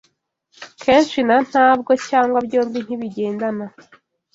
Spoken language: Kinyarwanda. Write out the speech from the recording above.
kenshi na ntabwo cyangwa byombi ntibigendana